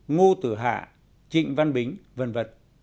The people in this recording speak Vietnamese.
ngô tử hạ trịnh văn bính v v